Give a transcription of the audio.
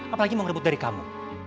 apalagi mau ngerebut dari kamu